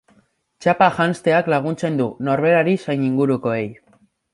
Txapa janzteak laguntzen du, norberari zein ingurukoei.